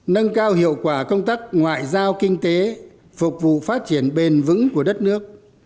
nâng cao hiệu quả công tác ngoại giao kinh tế phục vụ phát triển bền vững của đất nước